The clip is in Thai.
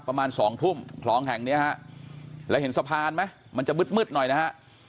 ประมาณสองทุ่มคลองแห่งเนี้ยฮะแล้วเห็นสะพานไหมมันจะมืดมืดหน่อยนะฮะ